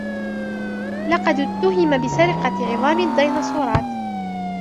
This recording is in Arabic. لقد أُتُهم بسرقة عظام الديناصورات.